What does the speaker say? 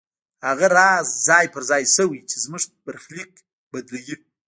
هغه راز ځای پر ځای شوی چې زموږ برخليک بدلوي.